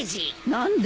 何で？